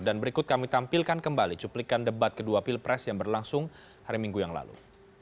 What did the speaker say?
dan berikut kami tampilkan kembali cuplikan debat kedua pilpres yang berlangsung hari minggu yang lalu